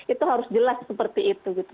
itu harus jelas seperti itu gitu